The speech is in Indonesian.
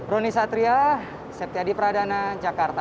roni satria septiadi pradana jakarta